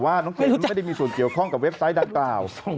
ว่าน้องเกดนั้นไม่ได้มีส่วนเกี่ยวข้องกับเว็บไซต์ดังกล่าว